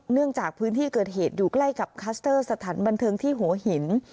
เนื่องจากพื้นที่เกิดเหตุอยู่ใกล้กับคัสเตอร์สถานบันเทิงที่หัวหิน